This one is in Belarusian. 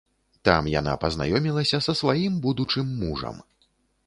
Там яна пазнаёмілася са сваім будучым мужам.